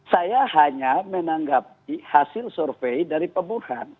saya hanya menanggapi hasil survei dari pak bahlil